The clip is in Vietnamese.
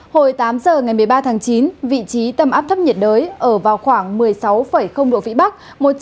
hồi tám giờ ngày một mươi ba tháng chín vị trí tâm áp thấp nhiệt đới ở vào khoảng một mươi sáu độ vĩ bắc